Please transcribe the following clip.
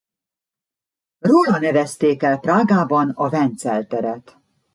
Róla nevezték el Prágában a Vencel teret.